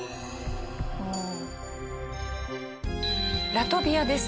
ラトビアです。